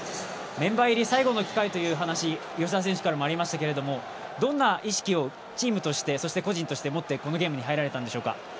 メンバー入り最後の機会だという話が吉田選手からもありましたけどどんな意識をチームとして、そして個人として持ってこのゲームに入られたんでしょうか？